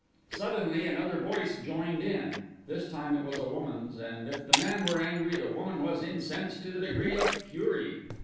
Suddenly another voice joined in. This time it was a woman's; and if the man were angry, the woman was incensed to the degree of fury.